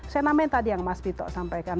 senamen tadi yang mas pito sampaikan